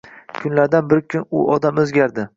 Kunlardan bir kun u odam oʻzgardi.